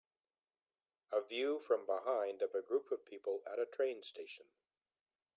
A view from behind of a group of people at a train station